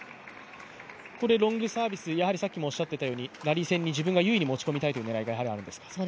ここでロングサービス、ラリー戦に自分を優位に持ち込みたいというのがあるんですか。